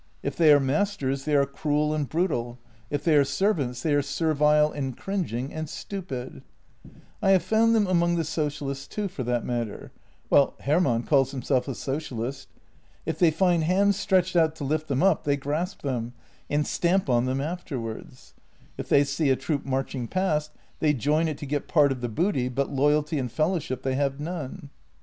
If they are masters, they are cruel and brutal; if they are serv ants, they are servile and cringing — and stupid. I have found them among the socialists too, for that matter — well, Hermann calls himself a socialist. If they find hands stretched out to lift them up, they grasp them — and stamp on them afterwards. If they see a troop marching past, they join it to get part of the booty, but loyalty and fellowship they have none.